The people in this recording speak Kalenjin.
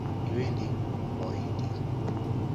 Iwendi? Mowendi!